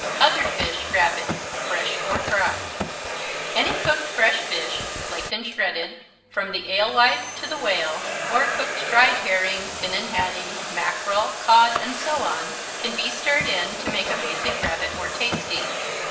Other Fish Rabbit, Fresh or Dried Any cooked fresh fish, flaked or shredded, from the alewife to the whale, or cooked dried herring, finnan haddie, mackerel, cod, and so on, can be stirred in to make a basic Rabbit more tasty.